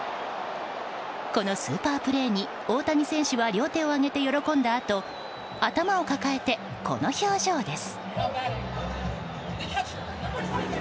このスーパープレーに大谷選手は両手を上げて喜んだあと頭を抱えて、この表情です。